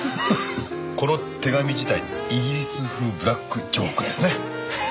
この手紙自体イギリス風ブラックジョークですね。